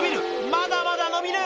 まだまだ伸びる。